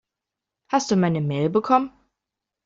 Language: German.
Hast du meine Mail bekommen?